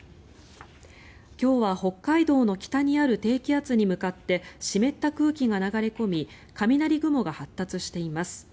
今日は北海道の北にある低気圧に向かって湿った空気が流れ込み雷雲が発達しています。